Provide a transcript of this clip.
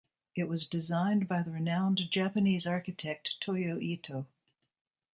It was designed by the renowned Japanese architect Toyo Ito.